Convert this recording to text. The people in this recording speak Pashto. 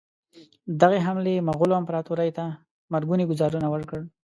دغې حملې مغولو امپراطوري ته مرګونی ګوزار ورکړ.